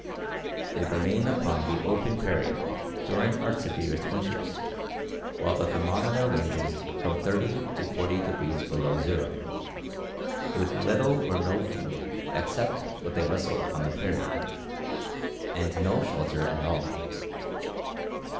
They remain upon the open prairie during our severest winters, while the thermometer ranges from 30 to 40 degrees below zero, with little or no food except what they rustled on the prairie, and no shelter at all.